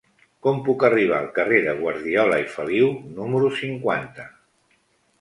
Com puc arribar al carrer de Guardiola i Feliu número cinquanta?